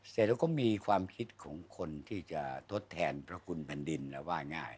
เสร็จแล้วก็มีความคิดของคนที่จะทดแทนพระคุณแผ่นดินแล้วว่าง่าย